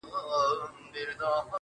ځوان پر لمانځه ولاړ دی.